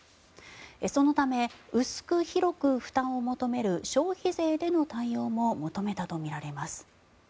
そのため、薄く広く負担を求める消費税での対応も求めたとみられます。